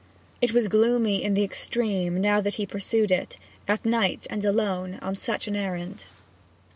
It was gloomy in the extreme now that he pursued it, at night and alone, on such an errand.